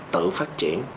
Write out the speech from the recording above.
tự phát triển